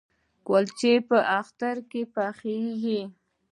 کلچې په اختر کې پخیږي؟